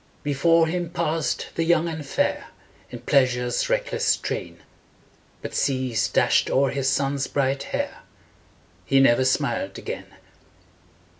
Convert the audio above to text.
Before him passed the young and fair, In pleasure's reckless train; But seas dashed o'er his son's bright hair He never smiled again.